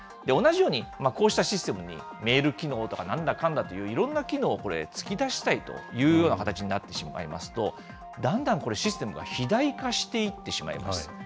同じように、こうしたシステムに、メール機能とかなんだかんだと、いろんな機能をこれ、つけたしたいという形になってしまいますと、だんだんこれ、システムが肥大化していってしまうんです。